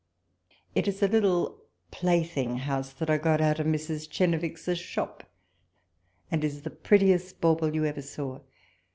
It is a little play thing house that I got out of Mrs. Chenevix's shop, and is the prettiest bauble you ever saw.